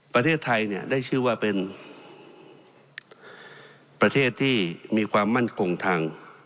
ประเทศไทยเนี่ยได้ชื่อว่าเป็นประเทศที่มีความมั่นคงทาง